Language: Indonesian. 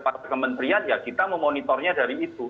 para kementerian ya kita memonitornya dari itu